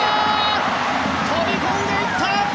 飛び込んでいった！